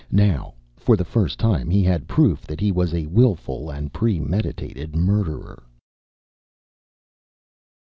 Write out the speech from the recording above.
Now, for the first time, he had proof that he was a willful and premeditated murderer.